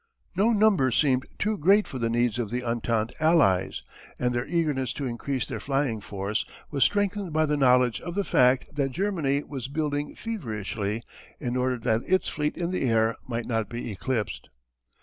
No number seemed too great for the needs of the entente allies, and their eagerness to increase their flying force was strengthened by the knowledge of the fact that Germany was building feverishly in order that its fleet in the air might not be eclipsed.